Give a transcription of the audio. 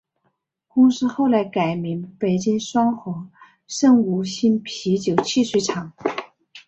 公司后来改名北京双合盛五星啤酒汽水厂。